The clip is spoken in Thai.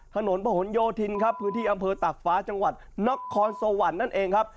ถนนพระหลโยธินครับ